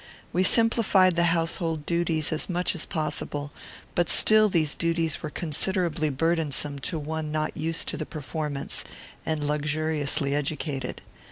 We simplified the household duties as much as possible, but still these duties were considerably burdensome to one not used to the performance, and luxuriously educated.